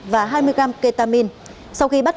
và hai mươi g ketamine sau khi bắt